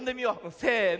せの。